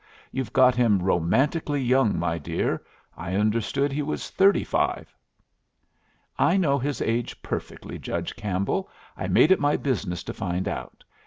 You've got him romantically young, my dear. I understood he was thirty five." "I know his age perfectly, Judge Campbell. I made it my business to find out.